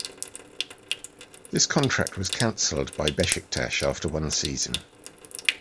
This contract was canceled by Beşiktaş after one season.